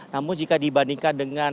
namun jika dibandingkan dengan